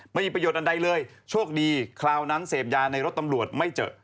ไม่มีประโยชน์อันใดเลยโชคดีคราวนั้นเสพยาในรถตำรวจไม่เจอ